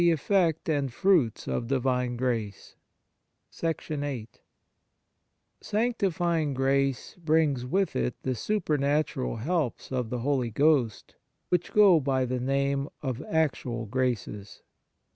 106 EFFECT AND FRUITS OF DIVINE GRACE Vlll QANCTIFYING grace brings with it Othe supernatural helps of the Holy Ghost which go by the name of " actual graces."